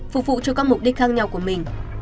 phục vụ cho các mục đích khác nhau của mình